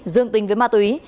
dương tình với ma túy